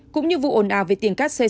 cũng như vụ ồn ào về tiền cắt xê sau đó